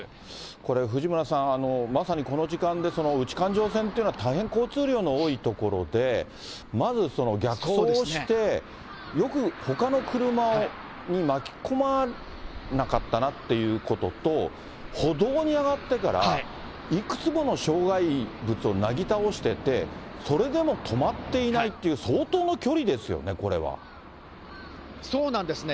これ、藤村さん、まさにこの時間で内環状線というのは大変、交通量の多い所で、まず逆走して、よく、ほかの車を巻き込まなかったなっていうことと、歩道に上がってから、いくつもの障害物をなぎ倒してて、それでも止まっていないっていう、相当の距離ですよね、そうなんですね。